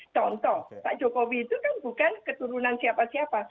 contoh pak jokowi itu kan bukan keturunan siapa siapa